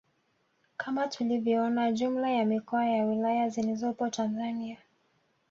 Kama tulivyoona jumla ya mikoa na wilaya zilizopo Tanzania